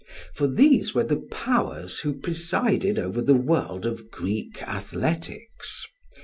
for these were the powers who presided over the world of Greek athletics.